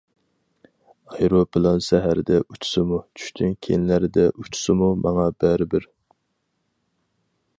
ئايروپىلان سەھەردە ئۇچسىمۇ، چۈشتىن كېيىنلەردە ئۇچسىمۇ ماڭا بەرىبىر.